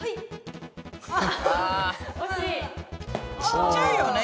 ちっちゃいよね